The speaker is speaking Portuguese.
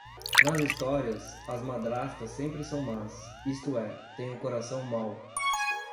Nas histórias, as madrastas sempre são más, isto é, têm o coração mau.